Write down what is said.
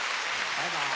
バイバーイ。